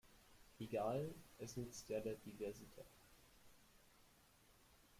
Egal, es nützt ja der Diversität.